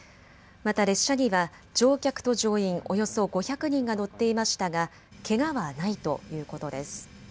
また列車には乗客と乗員およそ５００人が乗っていましたが、けがはないということです。